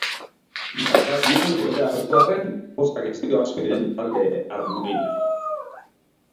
Markagailuan aurrea hartu arren, pozak ez dio asko iraun talde armaginari.